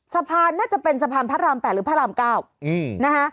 น่าจะเป็นสะพานพระราม๘หรือพระราม๙นะคะ